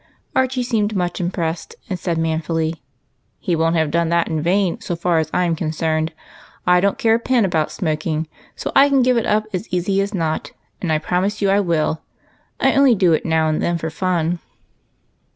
Archie seemed much impressed, and said manfully, —" He won't have done that in vain so far as I 'm con cerned. I don't care a pin about smoking, so can give it up as easy as not, and I promise you I will. I only do it now and then for fun."